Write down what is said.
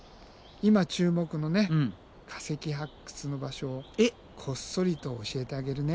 今注目のね化石発掘の場所をこっそりと教えてあげるね。